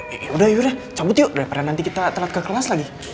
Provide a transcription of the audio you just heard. ya udah yaudah cabut yuk daripada nanti kita telat ke kelas lagi